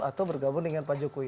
atau bergabung dengan pak jokowi